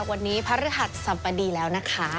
วันนี้พระฤหัสสัมปดีแล้วนะคะ